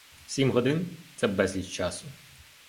Сім годин — це безліч часу.